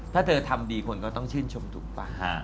ถ้าเธอทำดีคนก็ต้องชื่นชมถูกป่ะ